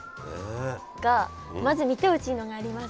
がまず見てほしいのがあります。